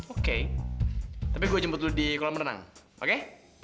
oke tapi gue jemput lo di kolam berenang oke